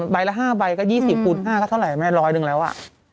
ป๊ายละห้าป๊ายก็ยี่สิบปูนไห้ต้อนแหร่แม่รอยหนึ่งแล้วอ่ะ